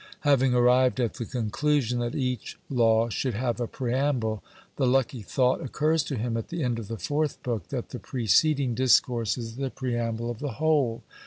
Having arrived at the conclusion that each law should have a preamble, the lucky thought occurs to him at the end of the fourth book that the preceding discourse is the preamble of the whole.